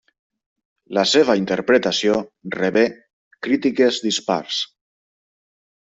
La seva interpretació rebé crítiques dispars.